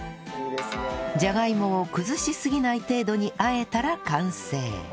じゃがいもを崩しすぎない程度に和えたら完成